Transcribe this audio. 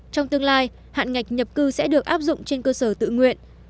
trong tương lai hạn ngạch nhập cư sẽ được áp dụng trên cơ sở tự nguyện